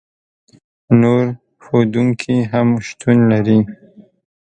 نور ښودونکي هم شتون لري.